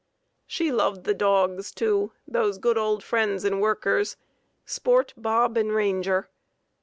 She loved the dogs, too, those good old friends and workers, Sport, Bob, and Ranger.